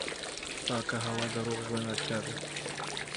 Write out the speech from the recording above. پاکه هوا د روغ ژوند اړتیا ده.